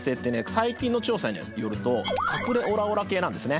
最近の調査によると隠れオラオラ系なんですね。